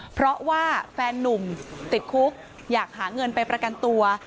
เพราะว่าแฟนนุ่มติดคุกอยากหาเงินไปประกันตัว